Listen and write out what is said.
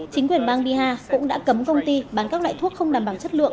chính quyền bang bihar cũng đã cấm công ty bán các loại thuốc không đảm bảo chất lượng